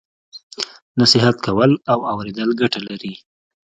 نصیحت کول او اوریدل ګټه لري.